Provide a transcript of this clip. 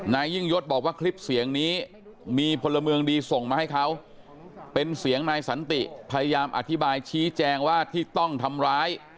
นายยิ่งยศบอกว่าคลิปเสียงนี้มีพลเมืองดีส่งมาให้เขาเป็นเสียงนายสันติพยายามอธิบายชี้แจงว่าที่ต้องทำร้าย